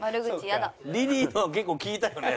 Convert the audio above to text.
リリーのは結構効いたよね？